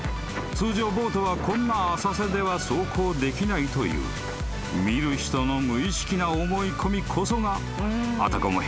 通常ボートはこんな浅瀬では走行できないという見る人の無意識な思い込みこそがあたかも